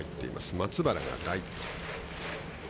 松原がライト。